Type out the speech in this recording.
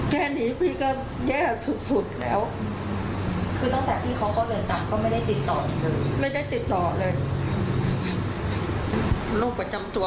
แค่นี้พี่ก็แย่สุดสุดแล้วคือตั้งแต่พี่เขาเขาเริ่มจับ